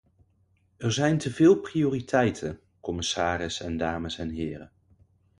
Er zijn te veel prioriteiten, commissaris en dames en heren.